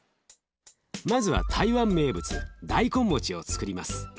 まずは台湾名物大根もちをつくります。